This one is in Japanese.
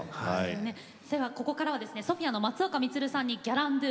続いてはＳＯＰＨＩＡの松岡充さんに「ギャランドゥ」。